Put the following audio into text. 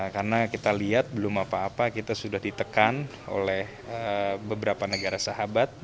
karena kita lihat belum apa apa kita sudah ditekan oleh beberapa negara sahabat